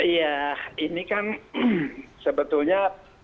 ya ini kan sebetulnya